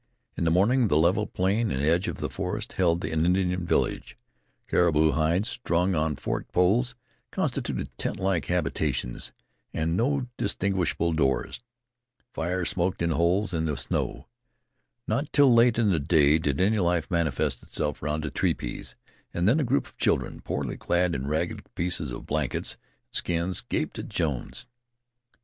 In the morning the level plain and edge of the forest held an Indian village. Caribou hides, strung on forked poles, constituted tent like habitations with no distinguishable doors. Fires smoked in the holes in the snow. Not till late in the day did any life manifest itself round the tepees, and then a group of children, poorly clad in ragged pieces of blankets and skins, gaped at Jones.